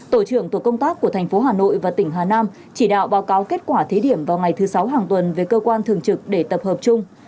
tổ trưởng tổ công tác của thành phố hà nội và tỉnh hà nam chỉ đạo báo cáo kết quả thí điểm vào ngày thứ sáu hàng tuần về cơ quan thường trực để tập hợp chung